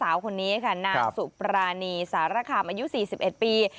สาวคนนี้ค่ะนางสุปรานีสารคามอายุ๔๑ปี